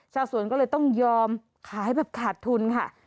ชาวสวนก็เลยต้องยอมขายแบบขาดทุนค่ะ